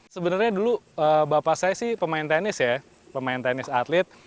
sebenarnya dulu bapak saya sih pemain tenis ya pemain tenis atlet